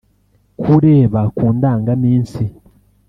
kureba ku ndangaminsi